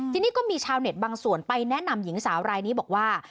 ทีนี้ก็มีชาวเน็ตบางส่วนไปแนะนำหญิงสาวรายนี้บอกว่า